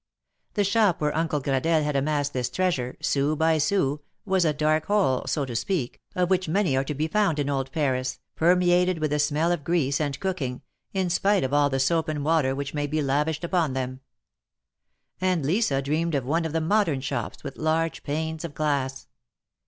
The shop where Uncle Gradelle had. amassed this treasure, sou by sou, was a dark hole, so to speak, of which many are to be found in old Paris, permeated with the smell of grease and cooking, in spite of all the soap and water which may be lavished upon them ; and Lisa dreamed of one of the modern shops, with large panes of glass.